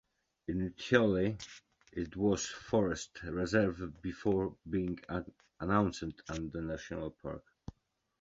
Initially it was a forest reserve before being announced as a national park.